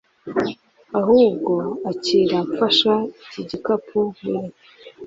ahubwo akira mfasha iki gikapu nkwereke